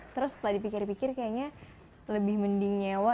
terus setelah dipikir pikir kayaknya lebih mending nyewa